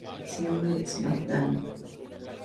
En la edición de "SmackDown!